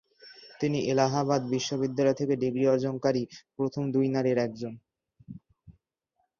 তিনি এলাহাবাদ বিশ্ববিদ্যালয় থেকে ডিগ্রি অর্জন কারী প্রথম দুই নারীর একজন।